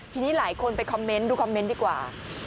ทีนี้หลายคนไปคอมเมนต์ดูคอมเมนต์ดีกว่า